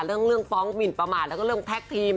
เรื่องฟ้องหมินประมาทแล้วก็เรื่องแท็กทีม